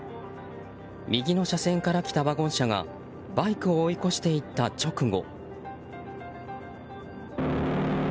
右の車線から来たワゴン車がバイクを追い越して行った直後。